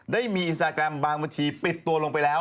ได้มีอินสตาแกรมบางบัญชีปิดตัวลงไปแล้ว